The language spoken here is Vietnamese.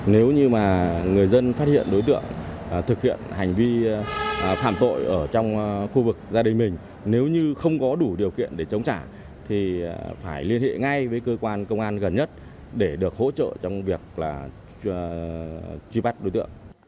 nếu như mà người dân phát hiện đối tượng thực hiện hành vi phạm tội ở trong khu vực gia đình mình nếu như không có đủ điều kiện để chống trả thì phải liên hệ ngay với cơ quan công an gần nhất để được hỗ trợ trong việc là truy bắt đối tượng